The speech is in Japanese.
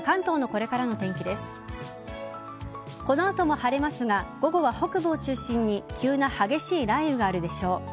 この後も晴れますが午後は北部を中心に急な激しい雷雨があるでしょう。